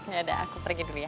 yaudah aku pergi dulu ya